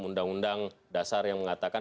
undang undang dasar yang mengatakan